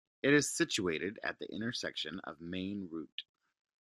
It is situated at the intersection of Maine Rte.